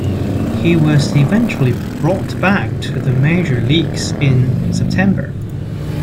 He was eventually brought back to the major leagues in September.